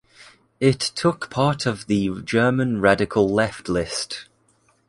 It took part of the German radical left list.